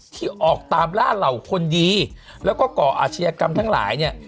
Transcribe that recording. ที่ออกตามล่าเหล่าคนดีแล้วก็ก่ออาชญากรรมทั้งหลายเนี่ย